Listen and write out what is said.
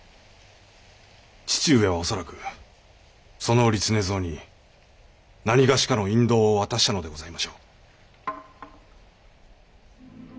義父上はおそらくその折常蔵になにがしかの引導を渡したのでございましょう？